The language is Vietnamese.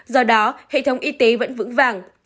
do đó hệ thống y tế vẫn vững vàng